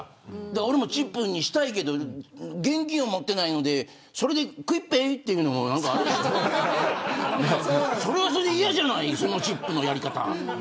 俺もチップにしたいけど現金を持ってないのでＱＵＩＣＰａｙっていうのもそれは、それで嫌じゃないですかチップのやり方。